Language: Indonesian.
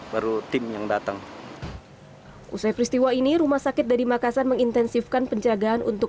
baru tim yang datang usai peristiwa ini rumah sakit dari makassar mengintensifkan penjagaan untuk